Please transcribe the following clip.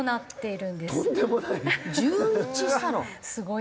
とんでもない。